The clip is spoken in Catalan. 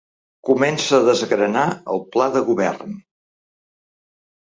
Comença a desgranar el pla de govern.